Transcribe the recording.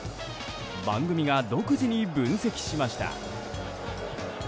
番組が、独自に分析しました。